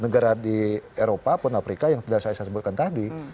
negara di eropa pun afrika yang sudah saya sebutkan tadi